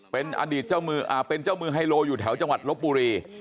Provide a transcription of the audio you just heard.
เป็นอดีตเจ้ามือเป็นเจ้ามือไฮโลอยู่แถวจังหวัดลบบุรี